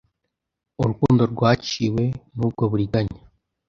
Urukundo rwaciwe n'ubwo buriganya